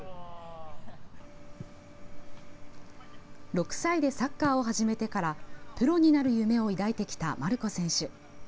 ６歳でサッカーを始めてからプロになる夢を抱いてきたマルコ選手。